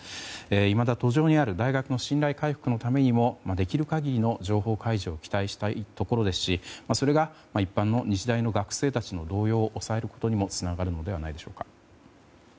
いまだ途上にある大学の信頼回復のためにもできる限りの情報開示を期待したいですしそれが一般の日大の学生たちの動揺を抑えることにもつながるのではないでしょうか。